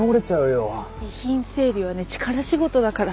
遺品整理はね力仕事だから。